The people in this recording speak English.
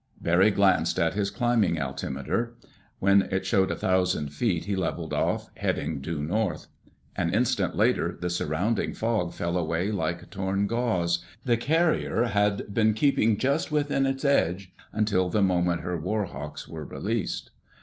Barry glanced at his climbing altimeter. When it showed a thousand feet he leveled off, heading due north. An instant later the surrounding fog fell away like torn gauze. The carrier had been keeping just within its edge until the moment her warhawks were released.